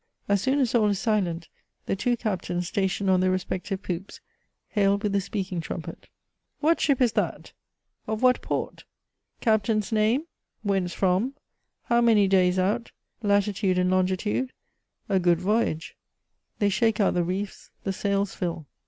As soon as all is silent, the two captains, stationed on their respective poops, hail with the speaking trumpet :" What ship is that ?"—" Of what port ?"—" Captain's name ?"—" Whence from ?—" IJow many days out ?'*—" Latitude and longitude ?"—" A good voyage ! They shake out the reefe ; the sails fill.